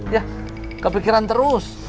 ya kepikiran terus